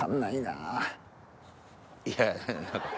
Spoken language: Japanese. いや。